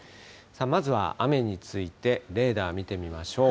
まずは雨についてレーダー見てみましょう。